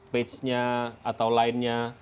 pagenya atau lainnya